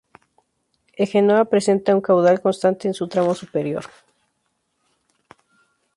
El Genoa presenta un caudal constante en su tramo superior.